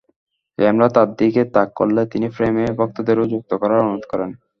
Camera তাঁর দিকে তাক করলে তিনি ফ্রেমে ভক্তদেরও যুক্ত করার অনুরোধ করেন।